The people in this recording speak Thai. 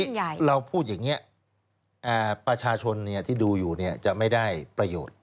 เราพูดอย่างนี้ประชาชนที่ดูอยู่จะไม่ได้ประโยชน์